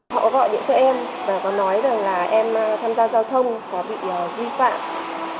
họ gọi điện cho em và có nói rằng là em tham gia giao thông có bị vi phạm